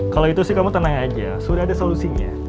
kalau itu sih kamu tenang aja sudah ada solusinya